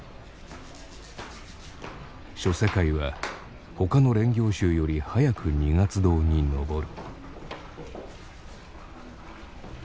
処世界はほかの練行衆より早く二月堂に登る。